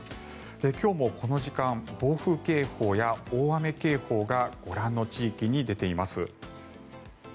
今日もこの時間暴風警報や大雨警報がご覧の地域に出ています。